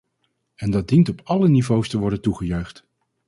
En dat dient op alle niveaus te worden toegejuicht.